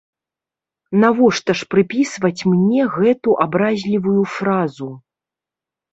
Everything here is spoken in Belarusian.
Навошта ж прыпісваць мне гэту абразлівую фразу?